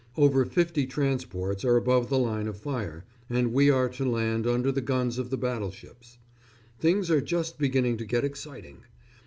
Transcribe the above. Over fifty transports are above the line of fire, and we are to land under the guns of the battleships. Things are just beginning to get exciting.